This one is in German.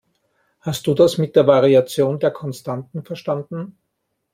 Hast du das mit der Variation der Konstanten verstanden?